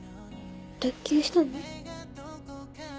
脱臼したの？